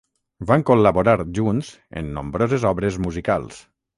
Van col·laborar junts en nombroses obres musicals.